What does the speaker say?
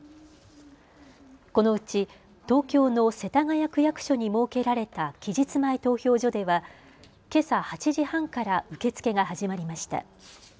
このうち東京の世田谷区役所に設けられた期日前投票所ではけさ８時半から受け付けが始まりました。